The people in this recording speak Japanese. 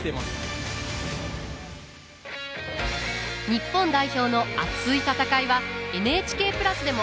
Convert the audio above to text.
日本代表の熱い戦いはＮＨＫプラスでも。